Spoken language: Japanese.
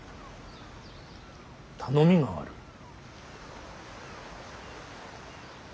頼みがある。